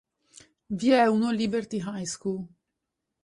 Vi è uno Liberty High School.